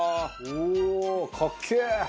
おおー！かっけえ！